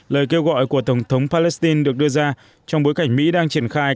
lời kêu gọi của tổng thống palestine được đưa ra trong bối cảnh mỹ đang triển khai